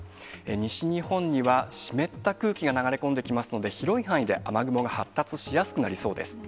西日本には、湿った空気が流れ込んできますので、広い範囲で雨雲が発達しやすくなりそうです。